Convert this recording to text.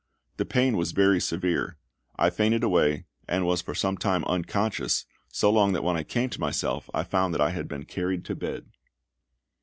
The pain was very severe; I fainted away, and was for some time unconscious, so long that when I came to myself I found that I had been carried to bed.